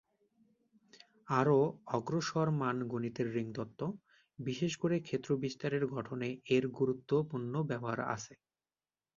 আরও অগ্রসরমান গণিতের রিং তত্ত্ব, বিশেষ করে ক্ষেত্র বিস্তারের গঠনে এর গুরুত্বপূর্ণ ব্যবহার আছে।